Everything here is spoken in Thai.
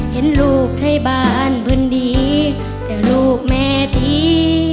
เห็นลูกใช้บ้านเพื่อนดีแต่ลูกแม่ตี